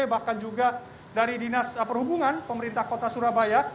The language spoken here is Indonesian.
bahkan juga dari dinas perhubungan pemerintah kota surabaya